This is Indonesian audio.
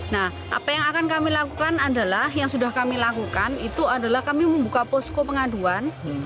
nah apa yang akan kami lakukan adalah yang sudah kami lakukan itu adalah kami membuka posko pengaduan